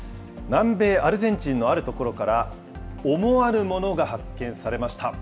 南米アルゼンチンのある所から、思わぬものが発見されました。